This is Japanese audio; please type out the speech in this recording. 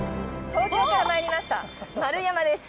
東京から参りました丸山です。